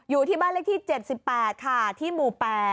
อยู่ที่บ้านเลขที่๗๘ค่ะที่หมู่๘